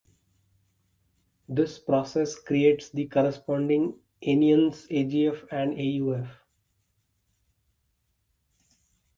This process creates the corresponding anions AgF and AuF.